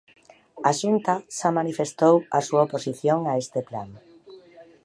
A Xunta xa manifestou a súa oposición a este plan.